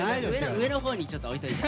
上の方にちょっと置いといて。